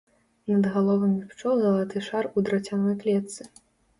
Над галовамі пчол залаты шар у драцяной клетцы.